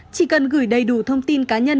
chỉ cần gửi đầy đủ thông tin cá nhân